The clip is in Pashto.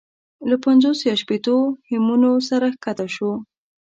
له پنځوس یا شپېتو همیونو سره کښته شو.